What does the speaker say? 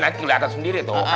nanti kelihatan sendiri tuh